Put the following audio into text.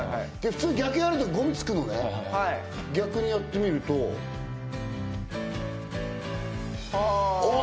普通逆やるとゴミつくのね逆にやってみるとおお！